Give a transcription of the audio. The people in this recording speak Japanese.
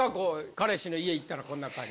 彼氏の家いったらこんな感じ。